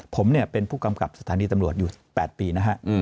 ผมเนี่ยเป็นผู้กำกับสถานีตำรวจอยู่๘ปีนะฮะ